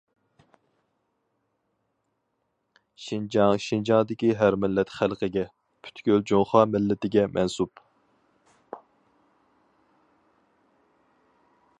شىنجاڭ شىنجاڭدىكى ھەر مىللەت خەلقىگە، پۈتكۈل جۇڭخۇا مىللىتىگە مەنسۇپ.